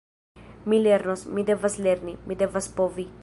Mi lernos, mi devas lerni, mi devas povi!